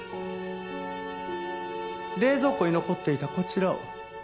冷蔵庫に残っていたこちらを。